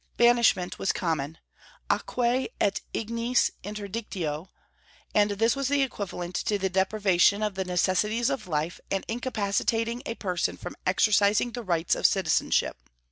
Banishment was common, aquae et ignis interdictio; and this was equivalent to the deprivation of the necessities of life and incapacitating a person from exercising the rights of citizenship.